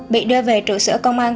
bị đưa về trụ sữa công an